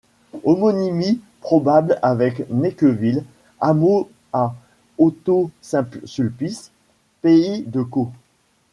Homonymie probable avec Necqueville, hameau à Hautot-Saint-Sulpice, pays de Caux.